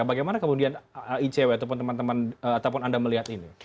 bagaimana kemudian icw ataupun anda melihat ini